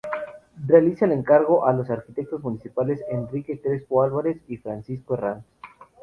Realiza el encargo a los arquitectos municipales Enrique Crespo Álvarez y Francisco Herranz.